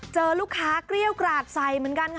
เจอลูกค้าเกรี้ยวกราดใส่เหมือนกันค่ะ